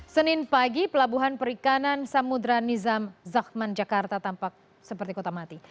senin pagi pelabuhan perikanan samudera nizam zakhman jakarta tampak seperti kota mati